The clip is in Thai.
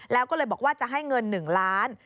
แล้วก็เลยบอกว่าจะให้เงิน๑ล้าน